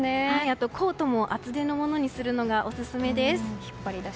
あとコートも厚手のものにするのがオススメです。